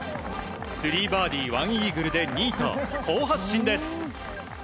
３バーディー１イーグルで２位と好発進です。